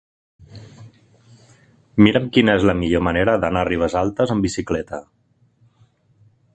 Mira'm quina és la millor manera d'anar a Ribesalbes amb bicicleta.